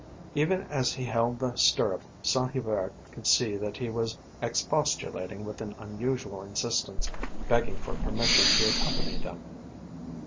Even as he held the stirrup Saint Hubert could see that he was expostulating with an unusual insistence, begging for permission to accompany them.